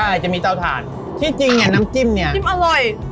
ใช่จะมีเตาถ่านที่จริงเนี่ยน้ำจิ้มเนี่ยจิ้มอร่อย